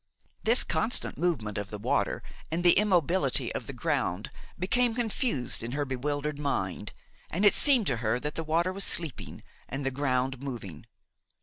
This constant movement of the water and the immobility of the ground became confused in her bewildered mind, and it seemed to her that the water was sleeping and the ground moving.